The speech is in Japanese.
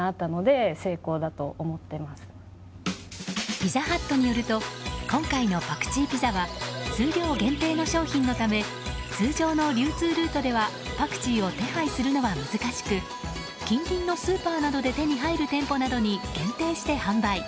ピザハットによると今回のパクチーピザは数量限定の商品のため通常の流通ルートではパクチーを手配するのが難し近隣のスーパーなどで手に入る店舗などに限定して販売。